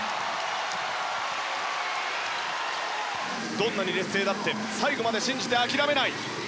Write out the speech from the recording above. どんなに劣勢だって最後まで信じて諦めない。